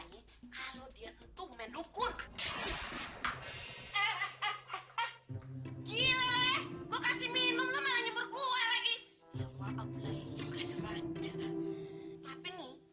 gila gue kasih minum lo malah nyemperkuat lagi ya maaf lah ini nggak sebaca tapi nih